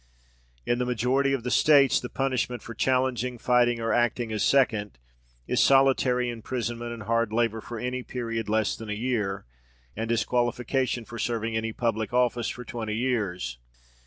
In the majority of the States the punishment for challenging, fighting, or acting as second, is solitary imprisonment and hard labour for any period less than a year, and disqualification for serving any public office for twenty years.